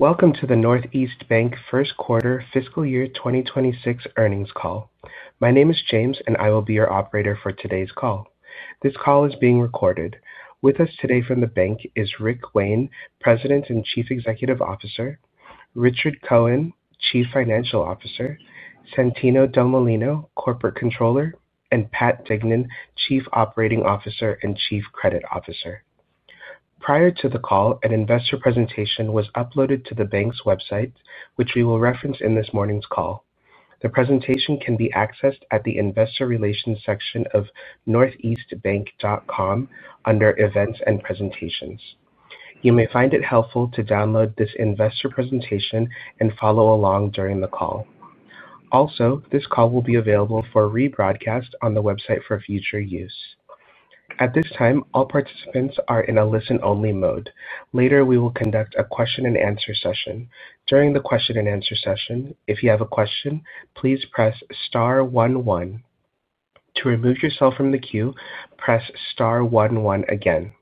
Welcome to the Northeast Bank first quarter fiscal year 2026 earnings call. My name is James, and I will be your operator for today's call. This call is being recorded. With us today from the bank is Rick Wayne, President and Chief Executive Officer, Richard Cohen, Chief Financial Officer, Santino Delmolino, Corporate Controller, and Pat Dignan, Chief Operating Officer and Chief Credit Officer. Prior to the call, an investor presentation was uploaded to the bank's website, which we will reference in this morning's call. The presentation can be accessed at the investor relations section of northeastbank.com under Events and Presentations. You may find it helpful to download this investor presentation and follow along during the call. Also, this call will be available for rebroadcast on the website for future use. At this time, all participants are in a listen-only mode. Later, we will conduct a question and answer session. During the question and answer session, if you have a question, please press star one one. To remove yourself from the queue, press star one one again.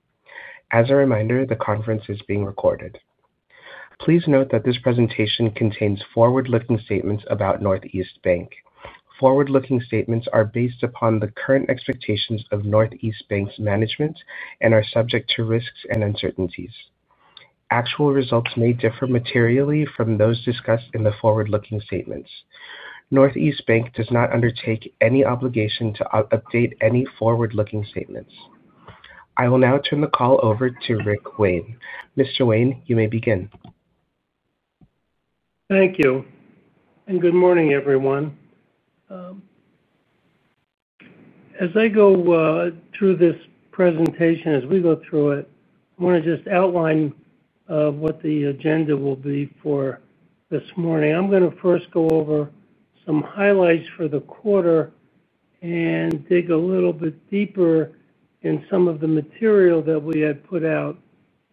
As a reminder, the conference is being recorded. Please note that this presentation contains forward-looking statements about Northeast Bank. Forward-looking statements are based upon the current expectations of Northeast Bank's management and are subject to risks and uncertainties. Actual results may differ materially from those discussed in the forward-looking statements. Northeast Bank does not undert8-Ke any obligation to update any forward-looking statements. I will now turn the call over to Rick Wayne. Mr. Wayne, you may begin. Thank you. Good morning, everyone. As I go through this presentation, as we go through it, I want to just outline what the agenda will be for this morning. I'm going to first go over some highlights for the quarter and dig a little bit deeper in some of the material that we had put out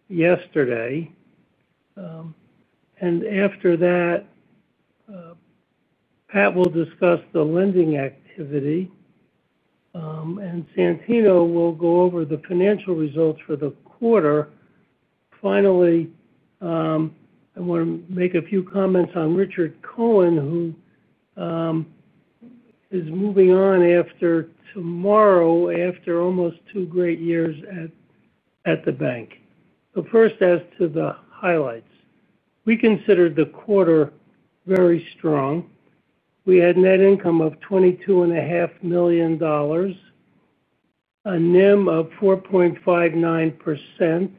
yesterday. After that, Pat will discuss the lending activity, and Santino will go over the financial results for the quarter. Finally, I want to m8-Ke a few comments on Richard Cohen, who is moving on after tomorrow, after almost two great years at the bank. First, as to the highlights, we considered the quarter very strong. We had net income of $22.5 million, a NIM of 4.59%,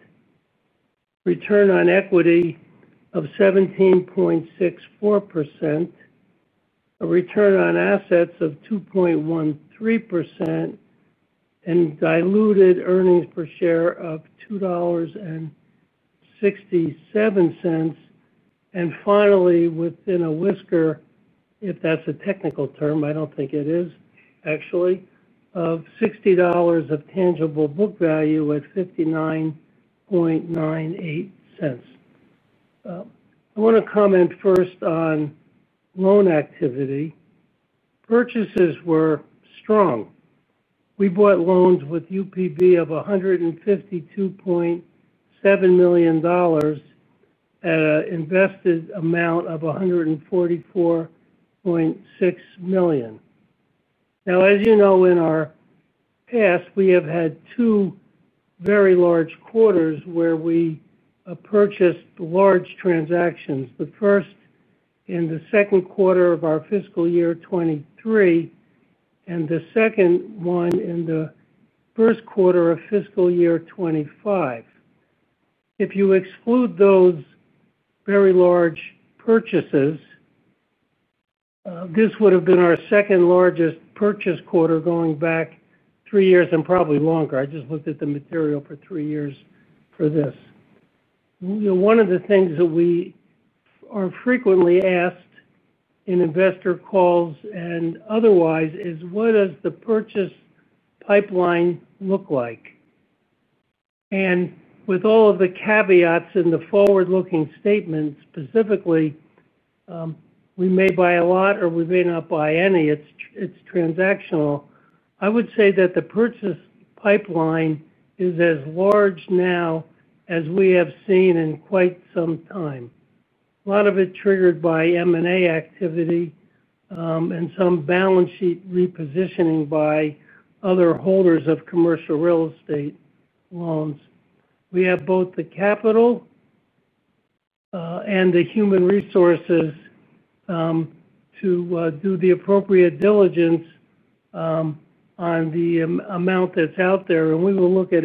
return on equity of 17.64%, a return on assets of 2.13%, and diluted earnings per share of $2.67. Finally, within a whisker, if that's a technical term, I don't think it is, actually, of $60 of tangible book value at $59.98. I want to comment first on loan activity. Purchases were strong. We bought loans with UPB of $152.7 million at an invested amount of $144.6 million. As you know, in our past, we have had two very large quarters where we purchased large transactions, the first in the second quarter of our fiscal year 2023 and the second one in the first quarter of fiscal year 2025. If you exclude those very large purchases, this would have been our second largest purchase quarter going back three years and probably longer. I just looked at the material for three years for this. One of the things that we are frequently asked in investor calls and otherwise is, what does the purchase pipeline look like? With all of the caveats in the forward-looking statements, specifically, we may buy a lot or we may not buy any. It's transactional. I would say that the purchase pipeline is as large now as we have seen in quite some time. A lot of it triggered by M&A activity and some balance sheet repositioning by other holders of commercial real estate loans. We have both the capital and the human resources to do the appropriate diligence on the amount that's out there. We will look at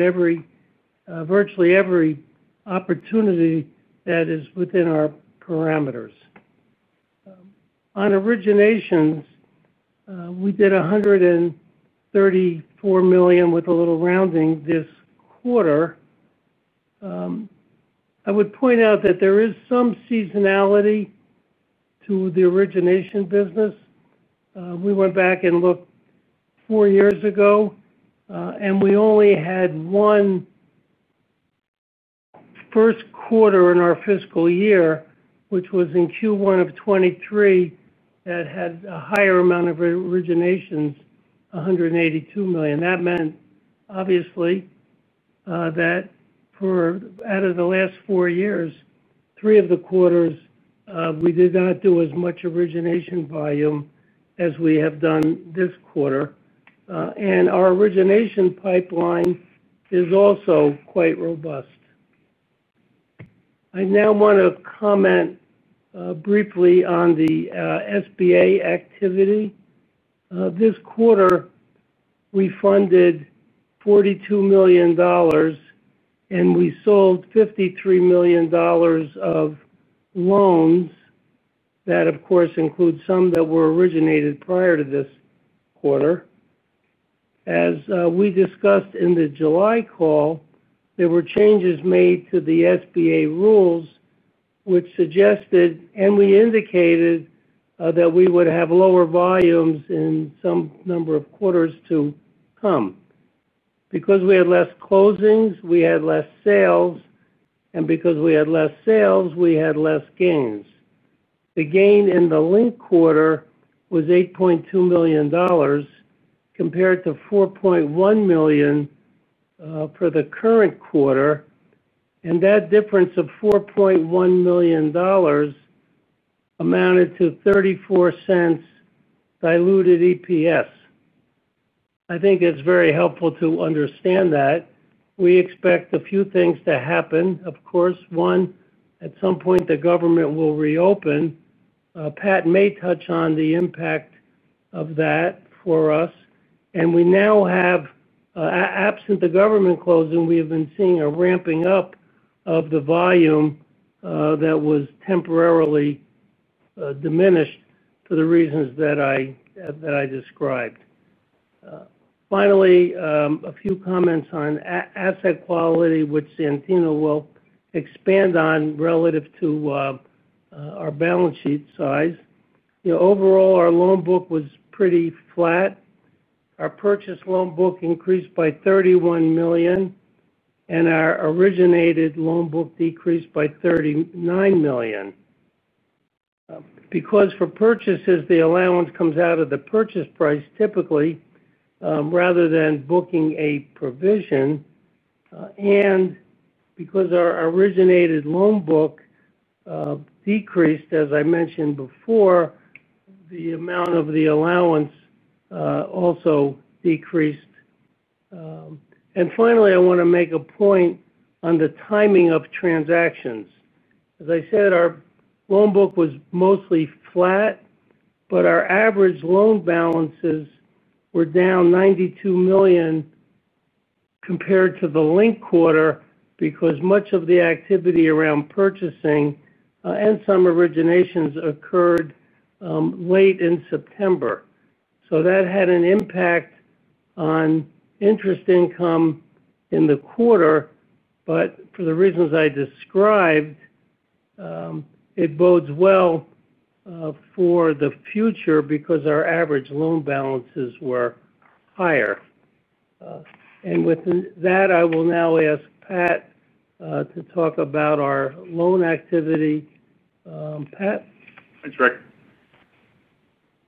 virtually every opportunity that is within our parameters. On originations, we did $134 million, with a little rounding, this quarter. I would point out that there is some seasonality to the origination business. We went back and looked four years ago, and we only had one first quarter in our fiscal year, which was in Q1 of 2023, that had a higher amount of originations, $182 million. That meant, obviously, that per out of the last four years, three of the quarters, we did not do as much origination volume as we have done this quarter. Our origination pipeline is also quite robust. I now want to comment briefly on the SBA activity. This quarter, we funded $42 million, and we sold $53 million of loans that, of course, include some that were originated prior to this quarter. As we discussed in the July call, there were changes made to the SBA rules, which suggested, and we indicated, that we would have lower volumes in some number of quarters to come. Because we had less closings, we had less sales. Because we had less sales, we had less gains. The gain in the link quarter was $8.2 million compared to $4.1 million for the current quarter. That difference of $4.1 million amounted to $0.34 diluted EPS. I think it's very helpful to understand that. We expect a few things to happen, of course. One, at some point, the government will reopen. Pat may touch on the impact of that for us. We now have, absent the government closing, been seeing a ramping up of the volume that was temporarily diminished for the reasons that I described. Finally, a few comments on asset quality, which Santino will expand on relative to our balance sheet size. Overall, our loan book was pretty flat. Our purchase loan book increased by $31 million, and our originated loan book decreased by $39 million. For purchases, the allowance comes out of the purchase price typically, rather than booking a provision. Because our originated loan book decreased, as I mentioned before, the amount of the allowance also decreased. Finally, I want to m8-Ke a point on the timing of transactions. As I said, our loan book was mostly flat, but our average loan balances were down $92 million compared to the link quarter because much of the activity around purchasing and some originations occurred late in September. That had an impact on interest income in the quarter. For the reasons I described, it bodes well for the future because our average loan balances were higher. With that, I will now ask Pat to talk about our loan activity. Pat? Thanks, Rick.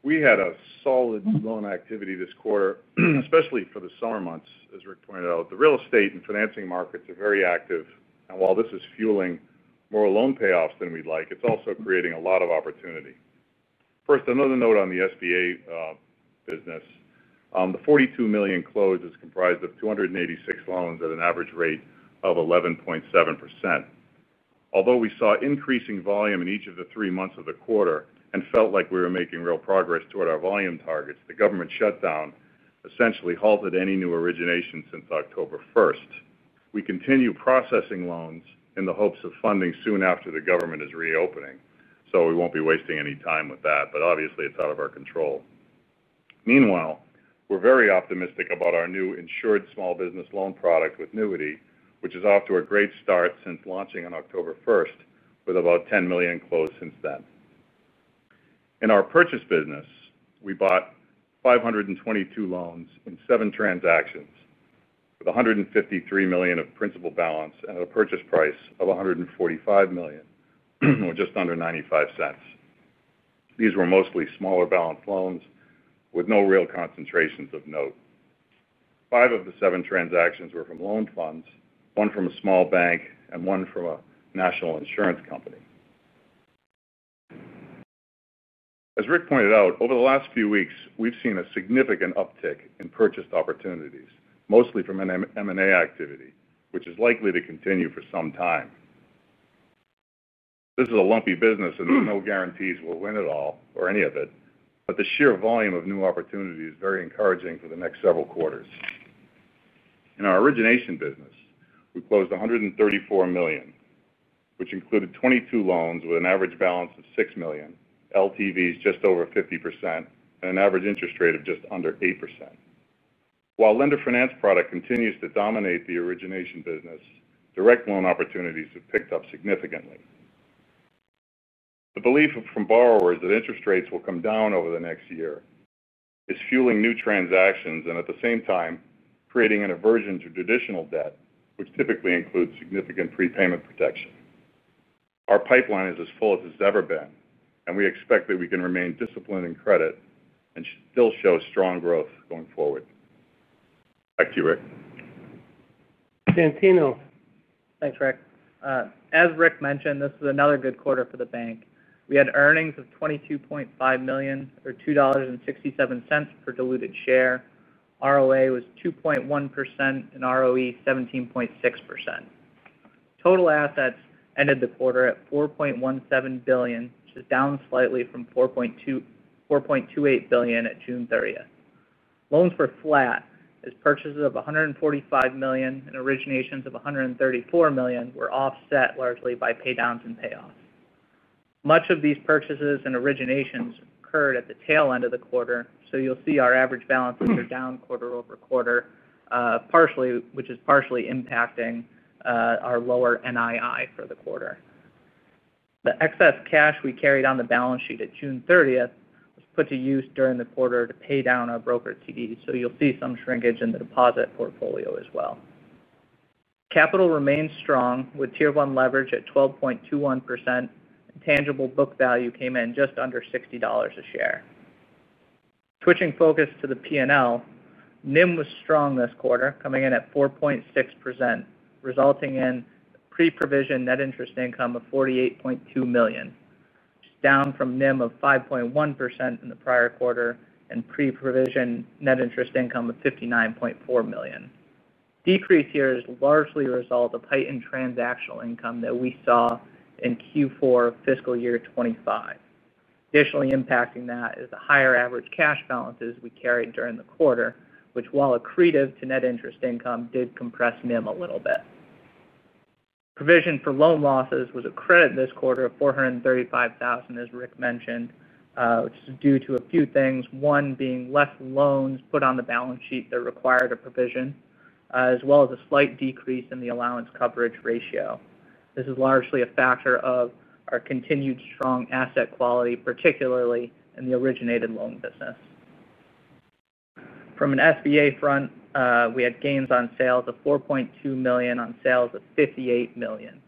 We had a solid loan activity this quarter, especially for the summer months. As Rick pointed out, the real estate and financing markets are very active. While this is fueling more loan payoffs than we'd like, it's also creating a lot of opportunity. First, another note on the SBA business. The $42 million closed is comprised of 286 loans at an average rate of 11.7%. Although we saw increasing volume in each of the three months of the quarter and felt like we were m8-King real progress toward our volume targets, the government shutdown essentially halted any new origination since October 1. We continue processing loans in the hopes of funding soon after the government is reopening. We won't be wasting any time with that. Obviously, it's out of our control. Meanwhile, we're very optimistic about our new insured small business loan product with NEWITY, which is off to a great start since launching on October 1, with about $10 million closed since then. In our purchase business, we bought 522 loans in seven transactions with $153 million of principal balance and a purchase price of $145 million, or just under $0.95. These were mostly smaller balance loans with no real concentrations of note. Five of the seven transactions were from loan funds, one from a small bank, and one from a national insurance company. As Rick pointed out, over the last few weeks, we've seen a significant uptick in purchased opportunities, mostly from M&A activity, which is likely to continue for some time. This is a lumpy business, and there are no guarantees we'll win it all or any of it. The sheer volume of new opportunity is very encouraging for the next several quarters. In our origination business, we closed $134 million, which included 22 loans with an average balance of $6 million, LTVs just over 50%, and an average interest rate of just under 8%. While lender finance product continues to dominate the origination business, direct loan opportunities have picked up significantly. The belief from borrowers that interest rates will come down over the next year is fueling new transactions and, at the same time, creating an aversion to traditional debt, which typically includes significant prepayment protection. Our pipeline is as full as it's ever been, and we expect that we can remain disciplined in credit and still show strong growth going forward. Back to you, Rick. Santino. Thanks, Rick. As Rick mentioned, this is another good quarter for the bank. We had earnings of $22.5 million or $2.67 per diluted share. ROA was 2.1% and ROE 17.6%. Total assets ended the quarter at $4.17 billion, which is down slightly from $4.28 billion at June 30. Loans were flat, as purchases of $145 million and originations of $134 million were offset largely by paydowns and payoffs. Much of these purchases and originations occurred at the tail end of the quarter, so you'll see our average balances are down quarter over quarter, which is partially impacting our lower NII for the quarter. The excess cash we carried on the balance sheet at June 30 was put to use during the quarter to pay down our brokered CDs, so you'll see some shrinkage in the deposit portfolio as well. Capital remains strong with tier one leverage at 12.21%, and tangible book value came in just under $60 a share. Switching focus to the P&L, NIM was strong this quarter, coming in at 4.6%, resulting in pre-provision net interest income of $48.2 million, which is down from NIM of 5.1% in the prior quarter and pre-provision net interest income of $59.4 million. The decrease here is largely a result of heightened transactional income that we saw in Q4 fiscal year 2025. Additionally, impacting that is the higher average cash balances we carried during the quarter, which, while accretive to net interest income, did compress NIM a little bit. Provision for loan losses was a credit this quarter of $435,000, as Rick mentioned, which is due to a few things, one being less loans put on the balance sheet that required a provision, as well as a slight decrease in the allowance coverage ratio. This is largely a factor of our continued strong asset quality, particularly in the originated loan business. From an SBA front, we had gains on sales of $4.2 million on sales of $58 million,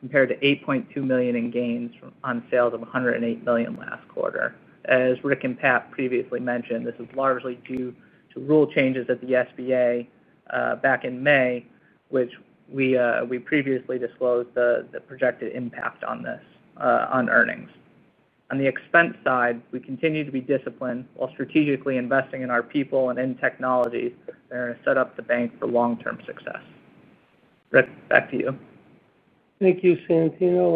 compared to $8.2 million in gains on sales of $108 million last quarter. As Rick and Pat previously mentioned, this is largely due to rule changes at the SBA back in May, which we previously disclosed the projected impact on this on earnings. On the expense side, we continue to be disciplined while strategically investing in our people and in technologies that are going to set up the bank for long-term success. Rick, back to you. Thank you, Santino.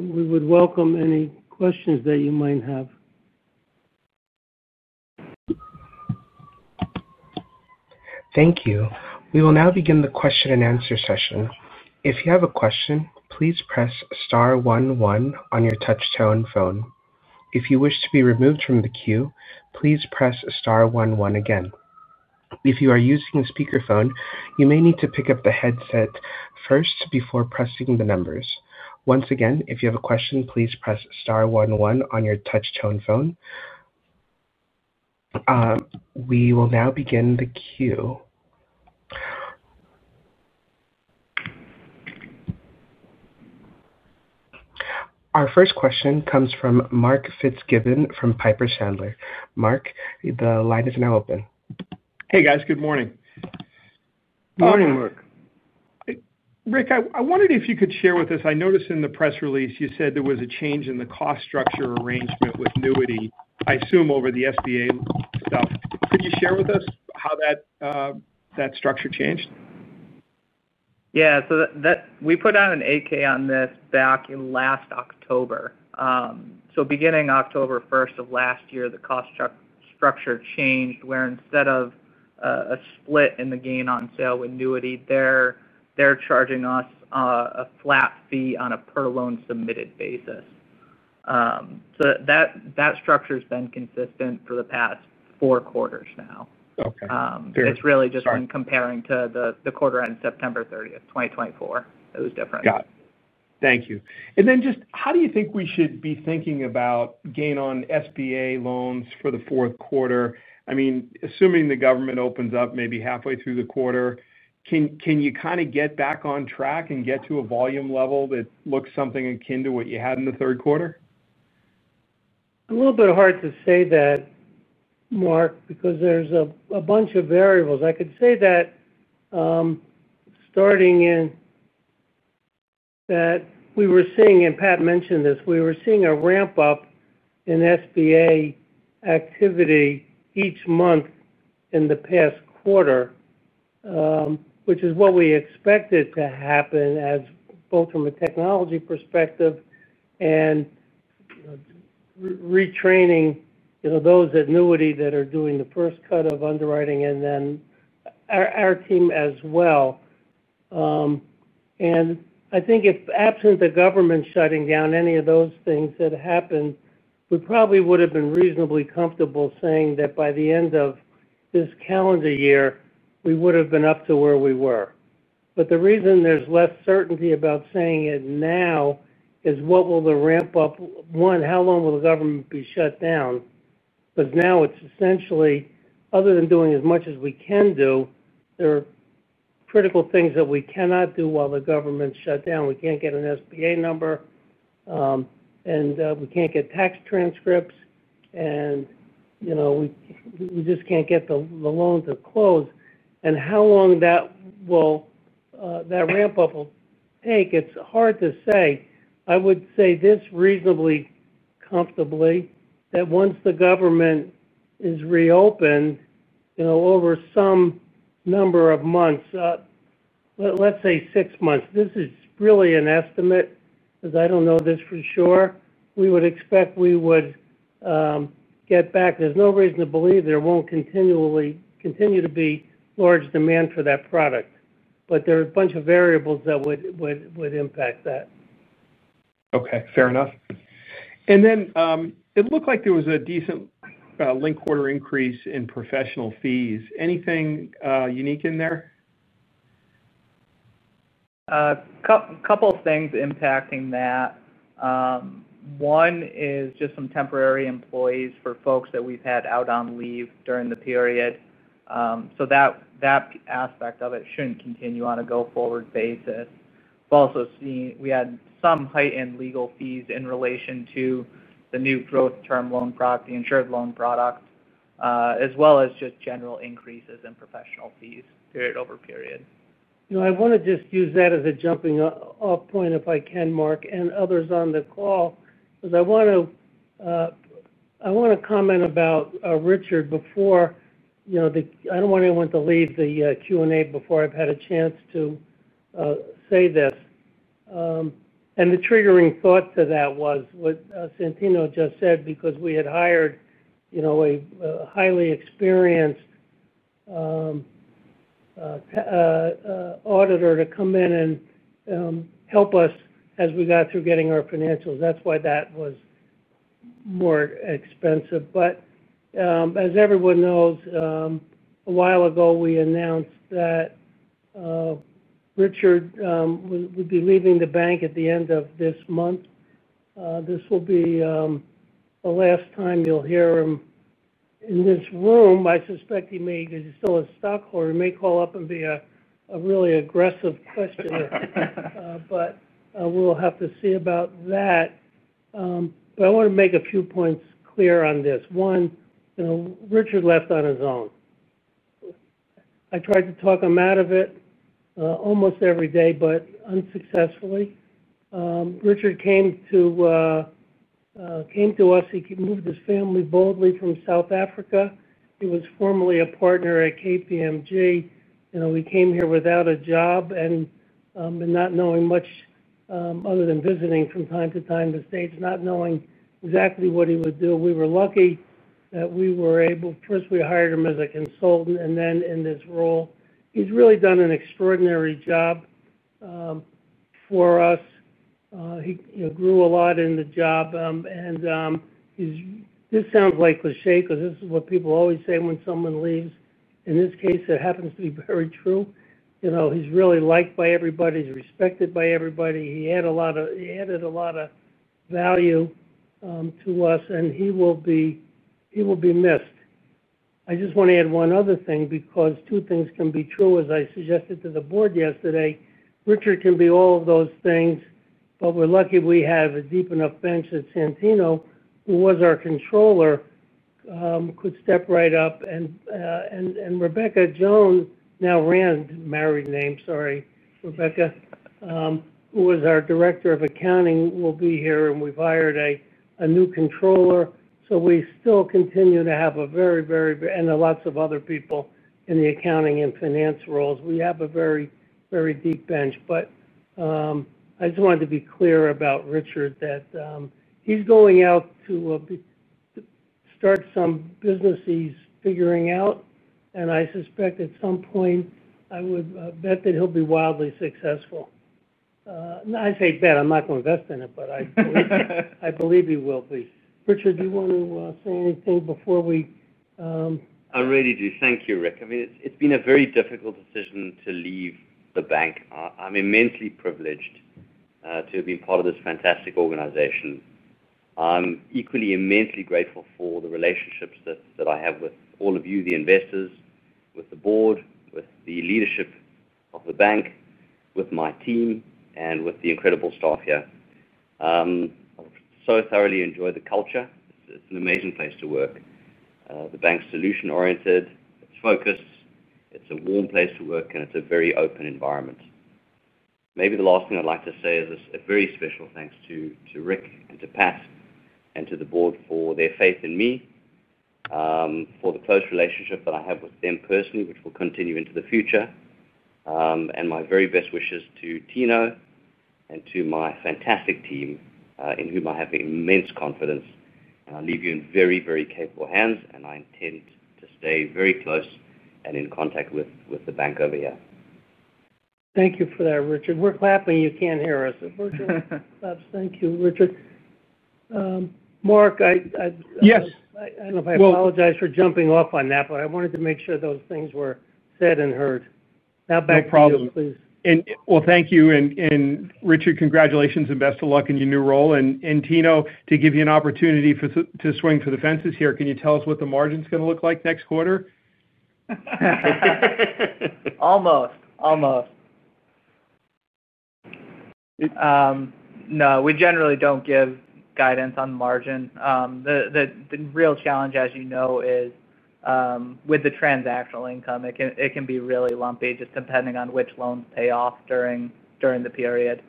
We would welcome any questions that you might have. Thank you. We will now begin the question and answer session. If you have a question, please press star one one on your touch-tone phone. If you wish to be removed from the queue, please press star one one again. If you are using a spe8-Kerphone, you may need to pick up the headset first before pressing the numbers. Once again, if you have a question, please press star one one on your touch-tone phone. We will now begin the queue. Our first question comes from Mark Fitzgibbon from Piper Sandler. Mark, the line is now open. Hey, guys. Good morning. Morning, Mark. Rick, I wondered if you could share with us. I noticed in the press release you said there was a change in the cost structure arrangement with NEWITY, I assume over the SBA stuff. Could you share with us how that structure changed? Yeah. We put out an 8-K on this back in last October. Beginning October 1, 2023, the cost structure changed where instead of a split in the gain on sale with NEWITY, they're charging us a flat fee on a per loan submitted basis. That structure has been consistent for the past four quarters now. Okay. It's really just when comparing to the quarter at September 30, 2024, it was different. Got it. Thank you. How do you think we should be thinking about gain on SBA loans for the fourth quarter? I mean, assuming the government opens up maybe halfway through the quarter, can you kind of get back on track and get to a volume level that looks something 8-Kin to what you had in the third quarter? A little bit hard to say that, Mark, because there's a bunch of variables. I could say that starting in that we were seeing, and Pat mentioned this, we were seeing a ramp-up in SBA activity each month in the past quarter, which is what we expected to happen as both from a technology perspective and retraining those at NEWITY that are doing the first cut of underwriting and then our team as well. If absent the government shutting down, any of those things that happened, we probably would have been reasonably comfortable saying that by the end of this calendar year, we would have been up to where we were. The reason there's less certainty about saying it now is what will the ramp-up be, how long will the government be shut down? Because now it's essentially, other than doing as much as we can do, there are critical things that we cannot do while the government's shut down. We can't get an SBA number, and we can't get tax transcripts, and you know we just can't get the loan to close. How long that ramp-up will t8-Ke, it's hard to say. I would say this reasonably comfortably that once the government is reopened, you know over some number of months, let's say six months, this is really an estimate because I don't know this for sure, we would expect we would get back. There's no reason to believe there won't continue to be large demand for that product. There are a bunch of variables that would impact that. Okay. Fair enough. It looked like there was a decent linked quarter increase in professional fees. Anything unique in there? A couple of things impacting that. One is just some temporary employees for folks that we've had out on leave during the period. That aspect of it shouldn't continue on a go-forward basis. We've also seen we had some heightened legal fees in relation to the new growth term loan product, the insured small business loan product with NEWITY, as well as just general increases in professional fees period over period. I want to just use that as a jumping-off point if I can, Mark, and others on the call, because I want to comment about Richard before you know I don't want anyone to leave the Q&A before I've had a chance to say this. The triggering thought to that was what Santino just said because we had hired a highly experienced auditor to come in and help us as we got through getting our financials. That's why that was more expensive. As everyone knows, a while ago, we announced that Richard would be leaving the bank at the end of this month. This will be the last time you'll hear him in this room. I suspect he may, because he still is stuck, or he may call up and be a really aggressive questioner. We'll have to see about that. I want to m8-Ke a few points clear on this. One, you know Richard left on his own. I tried to talk him out of it almost every day, but unsuccessfully. Richard came to us. He moved his family boldly from South Africa. He was formerly a partner at KPMG. He came here without a job and not knowing much other than visiting from time to time the States, not knowing exactly what he would do. We were lucky that we were able first, we hired him as a consultant, and then in this role, he's really done an extraordinary job for us. He grew a lot in the job. This sounds like a sh8-Ke because this is what people always say when someone leaves. In this case, it happens to be very true. He's really liked by everybody. He's respected by everybody. He added a lot of value to us, and he will be missed. I just want to add one other thing because two things can be true, as I suggested to the board yesterday. Richard can be all of those things, but we're lucky we have a deep enough bench that Santino, who was our Controller, could step right up. Rebecca Jones, now Rand Mary's name, sorry, Rebecca, who was our Director of Accounting, will be here. We've hired a new Controller. We still continue to have a very, very, and lots of other people in the accounting and finance roles. We have a very, very deep bench. I just wanted to be clear about Richard, that he's going out to start some businesses figuring out. I suspect at some point, I would bet that he'll be wildly successful. I say bet. I'm not going to invest in it, but I believe he will be. Richard, do you want to say anything before we? I really do. Thank you, Rick. It's been a very difficult decision to leave the bank. I'm immensely privileged to have been part of this fantastic organization. I'm equally immensely grateful for the relationships that I have with all of you, the investors, with the board, with the leadership of the bank, with my team, and with the incredible staff here. I've so thoroughly enjoyed the culture. It's an amazing place to work. The bank's solution-oriented. It's focused. It's a warm place to work, and it's a very open environment. Maybe the last thing I'd like to say is a very special thanks to Rick and to Pat and to the board for their faith in me, for the close relationship that I have with them personally, which will continue into the future, and my very best wishes to Tino and to my fantastic team, in whom I have immense confidence. I'll leave you in very, very capable hands, and I intend to stay very close and in contact with the bank over here. Thank you for that, Richard. We're clapping. You can't hear us. Richard, thank you. Richard, Mark, I apologize for jumping off on that, but I wanted to m8-Ke sure those things were said and heard. Now back to you, please. No problem. Thank you. Richard, congratulations and best of luck in your new role. Tino, to give you an opportunity to swing for the fences here, can you tell us what the margin is going to look like next quarter? No, we generally don't give guidance on the margin. The real challenge, as you know, is with the transactional income, it can be really lumpy just depending on which loans pay off during the period.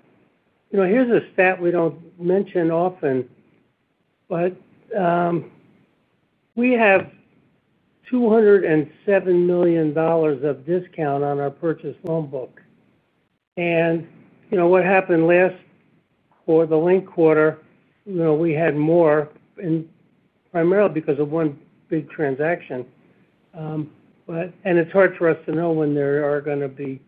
Here's a stat we don't mention often, but we have $207 million of discount on our purchased loan book. You know what happened last for the link quarter, we had more, and primarily because of one big transaction. It's hard for us to know when there are going to be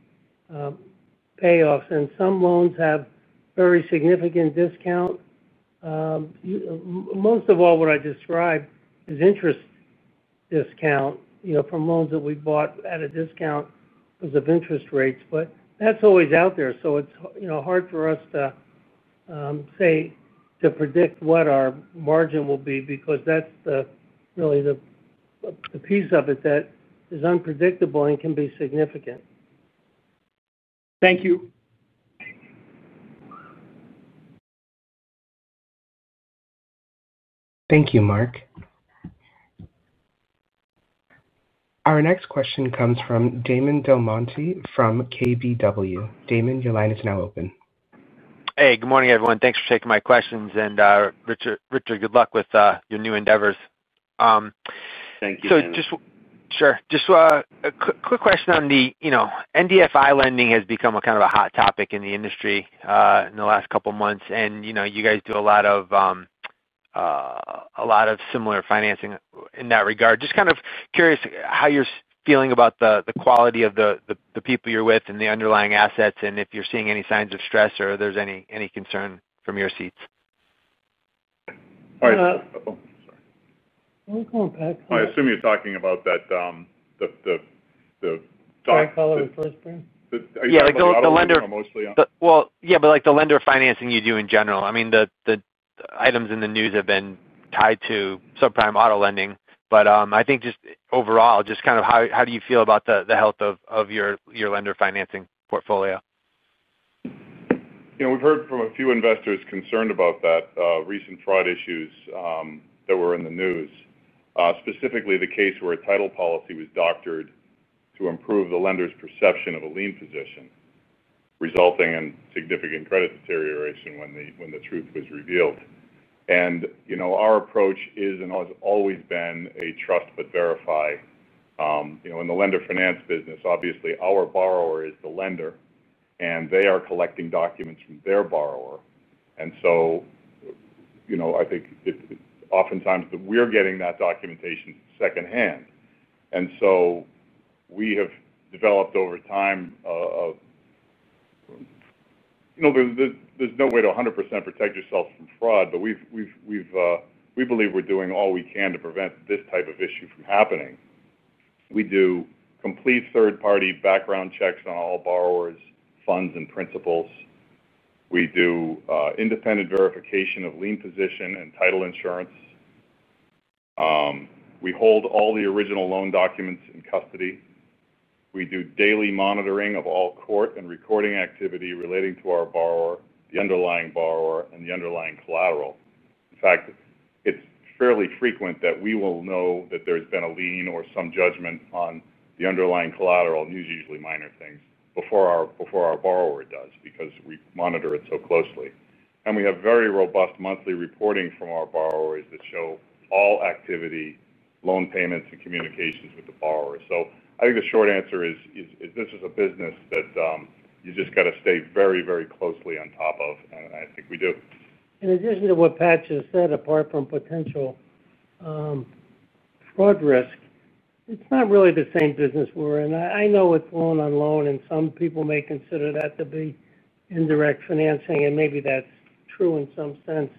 payoffs. Some loans have very significant discount. Most of all, what I described is interest discount, from loans that we bought at a discount because of interest rates. That's always out there. It's hard for us to say to predict what our margin will be because that's really the piece of it that is unpredictable and can be significant. Thank you. Thank you, Mark. Our next question comes from Damon DelMonte from KBW. Damon, your line is now open. Good morning, everyone. Thanks for t8-King my questions. Richard, good luck with your new endeavors. Thank you, Rick. Sure. Just a quick question on the, you know, NDFI lending has become a kind of a hot topic in the industry in the last couple of months. You know, you guys do a lot of similar financing in that regard. Just kind of curious how you're feeling about the quality of the people you're with and the underlying assets, and if you're seeing any signs of stress or there's any concern from your seats. I assume you're talking about that. High-caller first brand? Yeah, like the lender, mostly. Regarding the lender financing you do in general, the items in the news have been tied to subprime auto lending. I think just overall, how do you feel about the health of your lender finance portfolio? We've heard from a few investors concerned about that recent fraud issues that were in the news, specifically the case where a title policy was doctored to improve the lender's perception of a lien position, resulting in significant credit deterioration when the truth was revealed. Our approach is and has always been a trust but verify. In the lender finance business, obviously, our borrower is the lender, and they are collecting documents from their borrower. I think oftentimes that we're getting that documentation secondhand. We have developed over time, there's no way to 100% protect yourself from fraud, but we believe we're doing all we can to prevent this type of issue from happening. We do complete third-party background checks on all borrowers' funds and principals. We do independent verification of lien position and title insurance. We hold all the original loan documents in custody. We do daily monitoring of all court and recording activity relating to our borrower, the underlying borrower, and the underlying collateral. In fact, it's fairly frequent that we will know that there's been a lien or some judgment on the underlying collateral, and these are usually minor things, before our borrower does because we monitor it so closely. We have very robust monthly reporting from our borrowers that show all activity, loan payments, and communications with the borrower. I think the short answer is this is a business that you just got to stay very, very closely on top of, and I think we do. It's interesting what Pat just said. Apart from potential fraud risk, it's not really the same business we're in. I know with loan on loan, and some people may consider that to be indirect financing, and maybe that's true in some sense.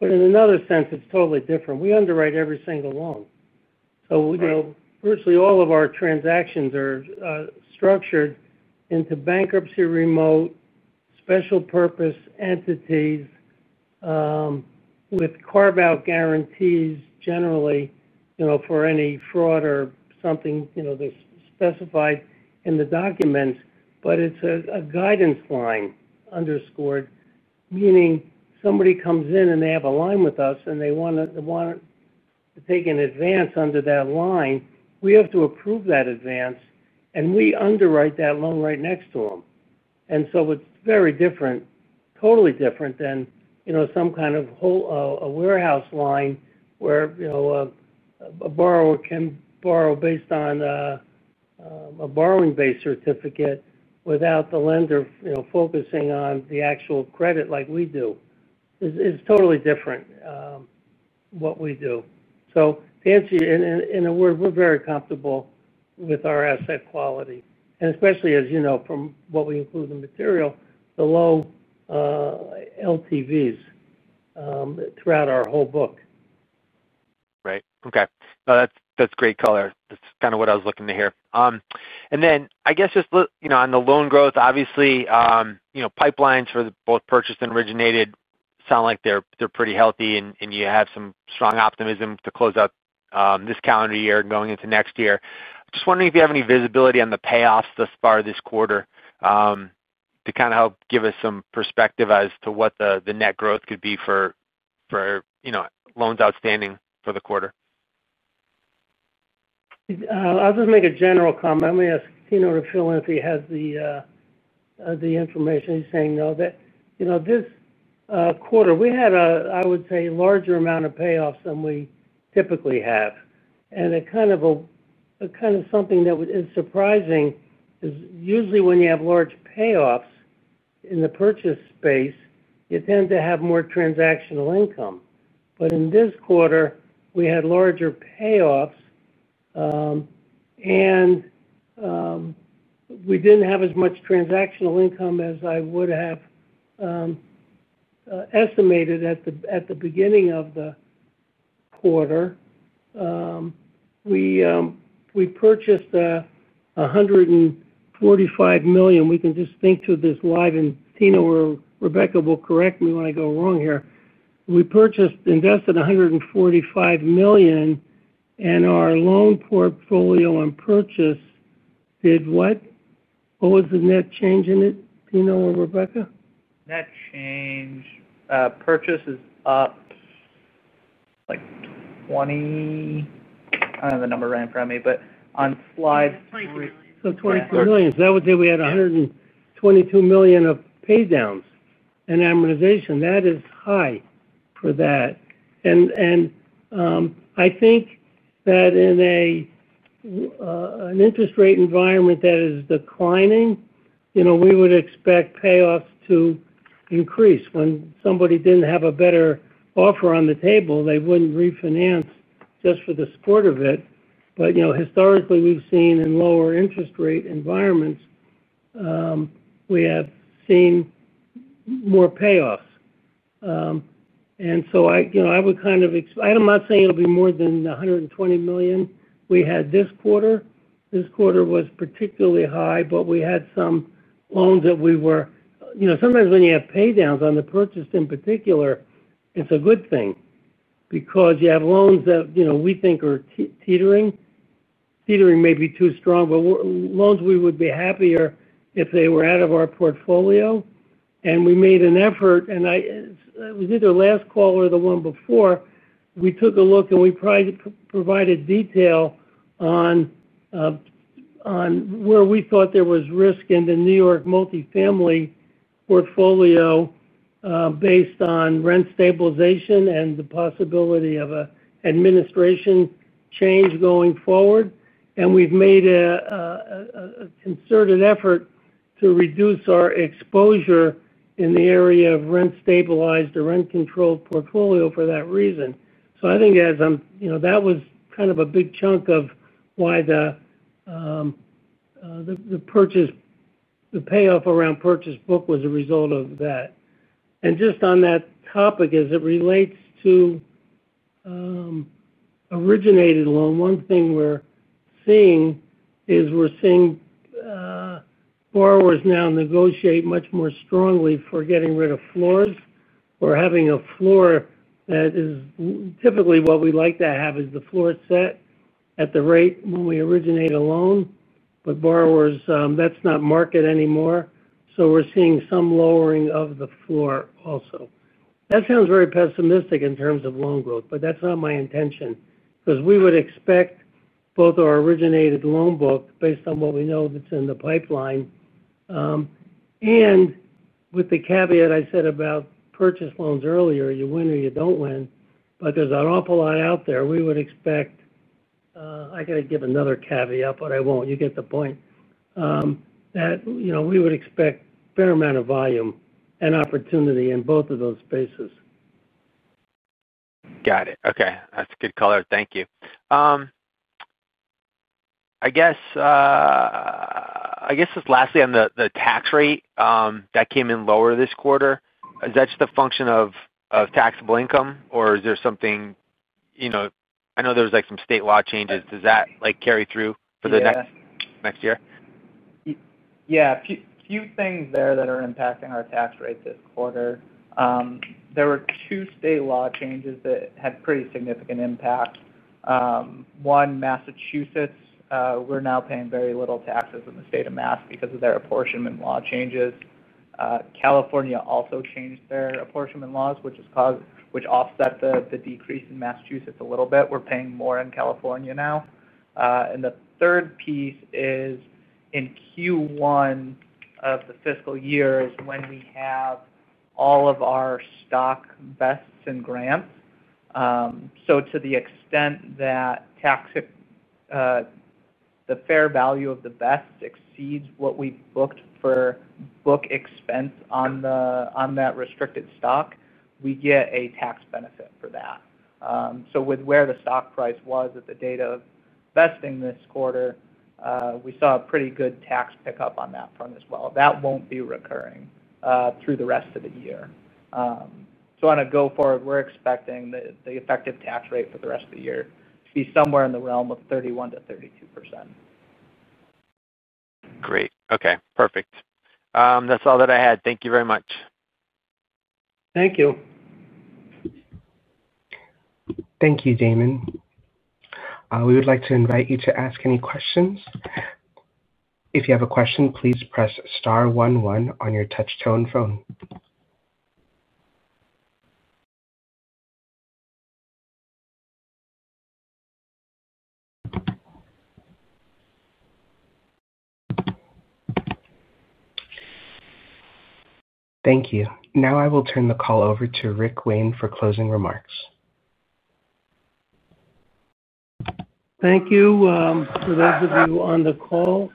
In another sense, it's totally different. We underwrite every single loan. Virtually all of our transactions are structured into bankruptcy remote, special purpose entities with carve-out guarantees, generally for any fraud or something that's specified in the documents. It's a guidance line underscored, meaning somebody comes in and they have a line with us and they want to t8-Ke an advance under that line. We have to approve that advance, and we underwrite that loan right next to them. It's very different, totally different than some kind of whole warehouse line where a borrower can borrow based Borrowing Base Certificate without the lender focusing on the actual credit like we do. It's totally different what we do. To answer you in a word, we're very comfortable with our asset quality, especially, as you know, from what we include in the material, the low LTVs throughout our whole book. Right. Okay. That's great color. That's kind of what I was looking to hear. I guess just, you know, on the loan growth, obviously, you know, pipelines for both purchased and originated sound like they're pretty healthy and you have some strong optimism to close out this calendar year and going into next year. I'm just wondering if you have any visibility on the payoffs thus far this quarter to kind of help give us some perspective as to what the net growth could be for, you know, loans outstanding for the quarter. I'll just m8-Ke a general comment. Let me ask Tino to fill in if he has the information. He's saying no, that this quarter we had, I would say, a larger amount of payoffs than we typically have. Something that is surprising is usually when you have large payoffs in the purchase space, you tend to have more transactional income. In this quarter, we had larger payoffs, and we didn't have as much transactional income as I would have estimated at the beginning of the quarter. We purchased $145 million. We can just think through this live, and Tino or Rebecca will correct me when I go wrong here. We purchased, invested $145 million, and our loan portfolio on purchase did what? What was the net change in it, Tino or Rebecca? Net change, purchase is up like 20. I don't know the number right in front of me, but on slide 3. $22 million. That would say we had $122 million of paydowns and amortization. That is high for that. I think that in an interest rate environment that is declining, we would expect payoffs to increase. When somebody did not have a better offer on the table, they would not refinance just for the sport of it. Historically, we have seen in lower interest rate environments, we have seen more payoffs. I would kind of expect, I am not saying it will be more than the $120 million we had this quarter. This quarter was particularly high, but we had some loans that we were, sometimes when you have paydowns on the purchased in particular, it is a good thing because you have loans that we think are teetering. Teetering may be too strong, but loans we would be happier if they were out of our portfolio. We made an effort, and it was either last call or the one before, we took a look and we provided detail on where we thought there was risk in the New York multifamily portfolio based on Rent Stabilization and the possibility of an administration change going forward. We have made a concerted effort to reduce our exposure in the area of rent stabilized or rent-controlled portfolio for that reason. I think that was kind of a big chunk of why the payoff around purchase book was a result of that. Just on that topic, as it relates to originated loan, one thing we are seeing is we are seeing borrowers now negotiate much more strongly for getting rid of floors or having a floor that is typically what we like to have, the floor set at the rate when we originate a loan. Borrowers, that is not market anymore. We are seeing some lowering of the floor also. That sounds very pessimistic in terms of loan growth, but that is not my intention because we would expect both our originated loan book based on what we know that is in the pipeline. With the caveat I said about purchased loans earlier, you win or you do not win, but there is an awful lot out there. We would expect, I have to give another caveat, but I will not. You get the point. We would expect a fair amount of volume and opportunity in both of those spaces. Got it. Okay. That's a good color. Thank you. I guess just lastly on the tax rate that came in lower this quarter, is that just a function of taxable income, or is there something, you know, I know there's like some state apportionment law changes. Does that like carry through for the next year? Yeah. A few things there that are impacting our tax rate this quarter. There were two state law changes that had pretty significant impact. One, Massachusetts, we're now paying very little taxes in the state of Mass because of their apportionment law changes. California also changed their apportionment laws, which offset the decrease in Massachusetts a little bit. We're paying more in California now. The third piece is in Q1 of the fiscal year is when we have all of our Stock Vests and grants. To the extent that the fair value of the vests exceeds what we've booked for book expense on that restricted stock, we get a tax benefit for that. With where the stock price was at the date of vesting this quarter, we saw a pretty good tax pickup on that front as well. That won't be recurring through the rest of the year. On a go-forward, we're expecting the effective tax rate for the rest of the year to be somewhere in the realm of 31%-32%. Great. Okay. Perfect. That's all that I had. Thank you very much. Thank you. Thank you, Damon. We would like to invite you to ask any questions. If you have a question, please press star one one on your touch-tone phone. Thank you. Now I will turn the call over to Rick Wayne for closing remarks. Thank you for those of you on the call.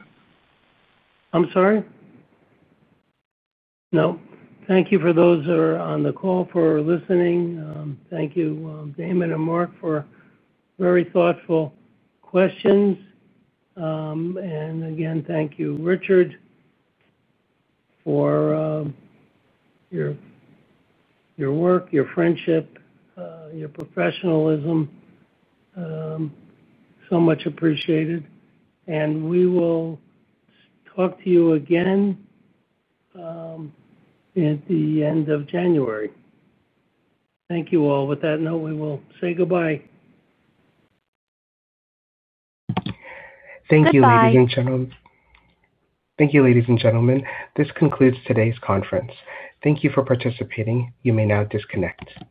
Thank you for those that are on the call for listening. Thank you, Damon and Mark, for very thoughtful questions. Thank you, Richard, for your work, your friendship, your professionalism. So much appreciated. We will talk to you again at the end of January. Thank you all. With that note, we will say goodbye. Thank you, ladies and gentlemen. This concludes today's conference. Thank you for participating. You may now disconnect.